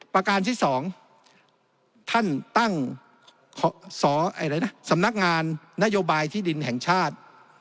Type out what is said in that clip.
ประการที่๒ท่านตั้งสำนักงานนโยบายที่ดินแห่งชาติ